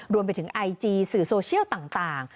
รวมไปถึงไอจีสื่อโซเชียลต่าง